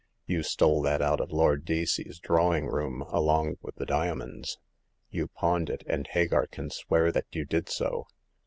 You stole that out of Lord Deacey's drawing room along with the diamonds. You pawned it, and Hagar can swear that you did so.